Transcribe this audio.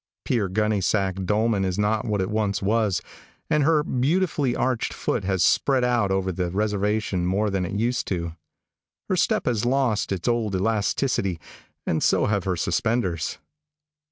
Pier gunny sack dolman is not what it once was, and her beautifully arched foot has spread out over the reservation more than it used to. Her step has lost its old elasticity, and so have her suspenders.